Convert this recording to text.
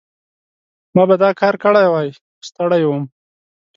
ما به دا کار کړی وای، خو ستړی وم.